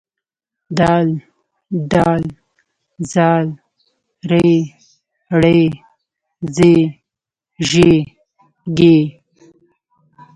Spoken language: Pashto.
د ډ ذ ر ړ ز ژ ږ